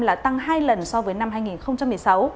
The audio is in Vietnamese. là tăng hai lần so với năm hai nghìn một mươi sáu